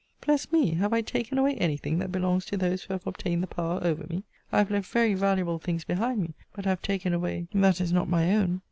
Bless me! have I taken away any thing that belongs to those who have obtained the power over me? I have left very valuable things behind me; but have taken away that is not my own.